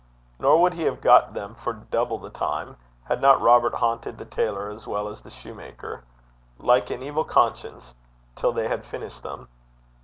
Nor would he have got them for double the time, had not Robert haunted the tailor, as well as the soutar, like an evil conscience, till they had finished them.